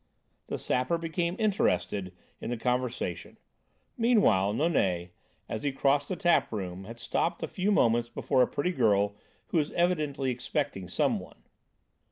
The Sapper became very interested in the conversation. Meanwhile Nonet, as he crossed the tap room, had stopped a few moments before a pretty girl who was evidently expecting some one.